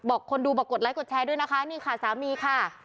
บอกคนดูอยากถามด้วยนะคะสามีค่ะ